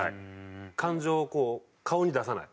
感情をこう顔に出さない。